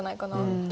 うん。